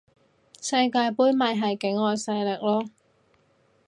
世界盃咪係境外勢力囉